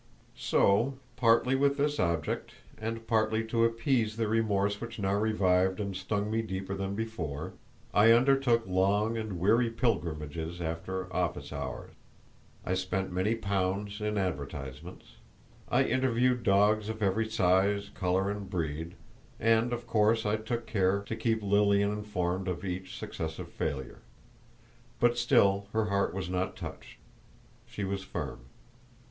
So, partly with this object, and partly to appease the remorse which now revived and stung me deeper than before, I undertook long and weary pilgrimages after office hours. I spent many pounds in advertisements; I interviewed dogs of every size, colour, and breed, and of course I took care to keep Lilian informed of each successive failure. But still her heart was not touched; she was firm.